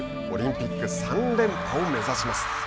オリンピック３連覇を目指します。